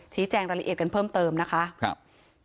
แจ้งรายละเอียดกันเพิ่มเติมนะคะครับ